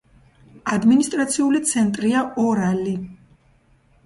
ადმინისტრაციული ცენტრია ორალი.